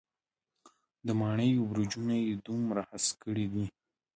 د ماڼېیو برجونه یې دومره هسک کړي دی.